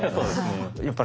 やっぱね